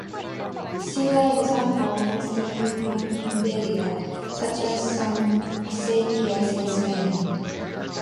Similar examples can still be found in Iberia, such as some Acequias in Spain.